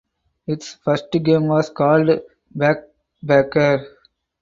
Its first game was called "Backpacker".